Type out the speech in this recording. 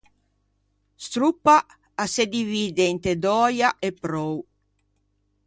Stroppa a se dividde inte Döia e Prou.